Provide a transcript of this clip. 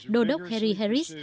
đô đốc harry harris